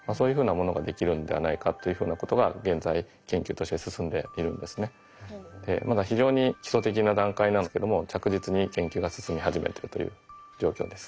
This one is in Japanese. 例えばまだ非常に基礎的な段階なんですけども着実に研究が進み始めているという状況です。